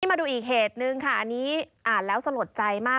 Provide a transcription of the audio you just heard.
มาดูอีกเหตุหนึ่งค่ะอันนี้อ่านแล้วสลดใจมาก